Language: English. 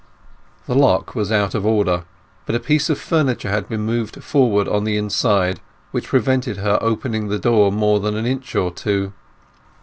The lock was out of order, but a piece of furniture had been moved forward on the inside, which prevented her opening the door more than an inch or two.